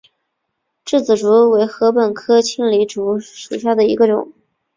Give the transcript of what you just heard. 稚子竹为禾本科青篱竹属下的一个种。